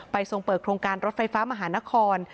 ทรงเปิดโครงการรถไฟฟ้ามหานคร